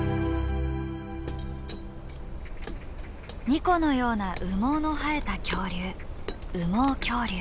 ニコのような羽毛の生えた恐竜羽毛恐竜。